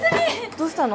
どうしたの？